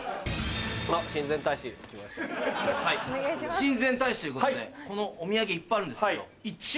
親善大使ということでお土産いっぱいあるんですけど。